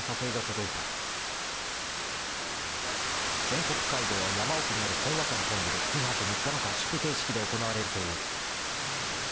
［全国会合は山奥にあるほんわかの本部で２泊３日の合宿形式で行われるという］